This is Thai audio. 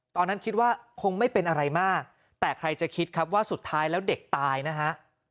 ตอนนั้นคิดว่าคงไม่เป็นอะไรมากแต่ใครจะคิดครับว่าสุดท้ายแล้วเด็กตายนะฮะ